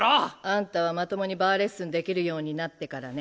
あんたはまともにバーレッスンできるようになってからね。